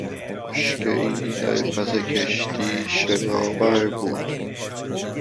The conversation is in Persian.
بشکهای در پس کشتی شناور بود.